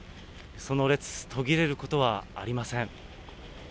その列、途切れることはありません。